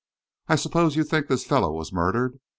I suppose you think this fellow was murdered?